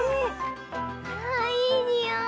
ああいいにおい！